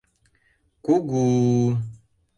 Кугу-у!..